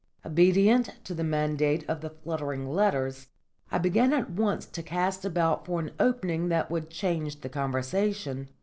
Obedient to the mandate of the fluttering letters, I began at once to cast about for an opening that would change the conversation.